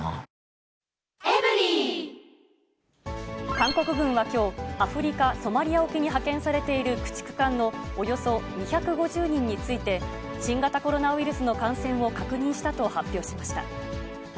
韓国軍はきょう、アフリカ・ソマリア沖に派遣されている駆逐艦のおよそ２５０人について、新型コロナウイルスの感染を確認したと発表しました。